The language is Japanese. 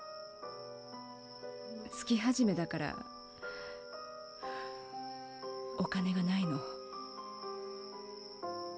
月はじめだからお金がないの。